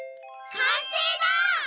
かんせいだ！